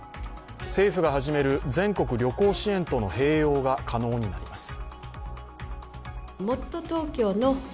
政府が始める全国旅行支援との併用が可能になります。